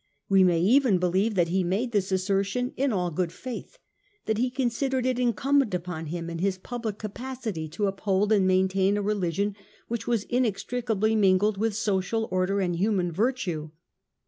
We may even believe that he made this assertion in all good faith, that he considered it incumbent upon him in his public capacity to uphold and maintain a religion which was inextricably mingled with social order and human virtue.